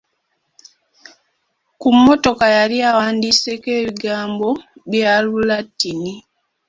Ku mmotoka yali awandiiseko ebigambo bya lulatini.